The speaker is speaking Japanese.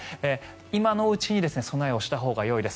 今のうちに備えをしたほうがよいです。